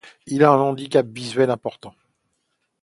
Il a un handicap visuel important.